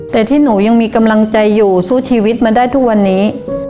แต่ที่หนูยังมีกำลังใจอยู่สู้ชีวิตมาได้ทุกวันนี้